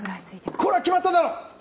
これは決まったか？